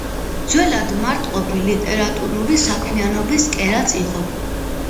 ძველად მარტყოფი ლიტერატურული საქმიანობის კერაც იყო.